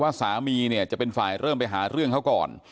ว่าสามีจะเป็นฝ่ายเริ่มไปหาเรื่องเขาก่อน